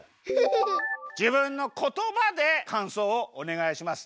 じぶんの言葉でかんそうをおねがいします。